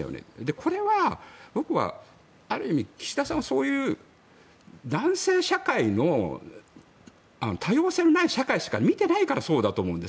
これは僕はある意味、岸田さんがそういう男性社会の多様性のない社会しか見ていないからそうだと思います。